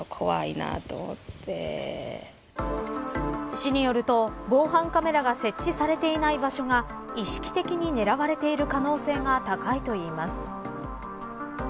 市によると防犯カメラが設置されていない場所が意識的に狙われている可能性が高いといいます。